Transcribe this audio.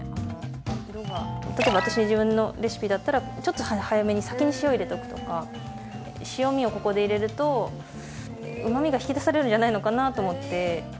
例えば自分のレシピだったらちょっと早めに塩を入れておくとか塩みをここで入れるとうまみが引き出されるんじゃないのかなと思って。